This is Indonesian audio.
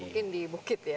mungkin di bukit ya